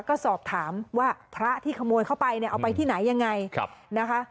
ก็สอบถามว่าพระที่ขโมยเข้าไปเนี่ยเอาไปที่ไหนยังไงนะคะ